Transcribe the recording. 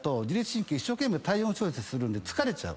一生懸命体温調節するんで疲れちゃう。